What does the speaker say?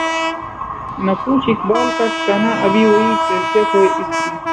نہ پوچھ اقبال کا ٹھکانہ ابھی وہی کیفیت ہے اس کی